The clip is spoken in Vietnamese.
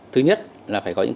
thứ nhất là phải có yếu tố